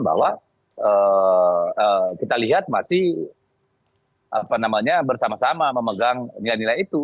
bahwa kita lihat masih bersama sama memegang nilai nilai itu